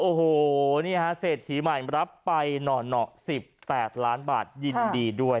โอ้โหนี่ฮะเศรษฐีใหม่รับไปหน่อ๑๘ล้านบาทยินดีด้วย